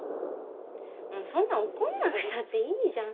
もうそんな怒んなくたっていいじゃん。